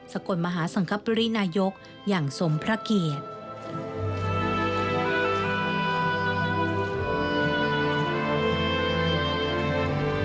กลมหาสังคปรินายกอย่างสมพระเกียรติ